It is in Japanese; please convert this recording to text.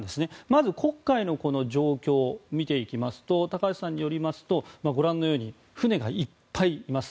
まず、黒海の状況を見ていきますと高橋さんによりますとご覧のように船がいっぱいあります。